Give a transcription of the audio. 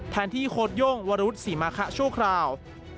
แทนที่โค้ดโย่งวรรณวุฒิสิมาคะช่วงคราว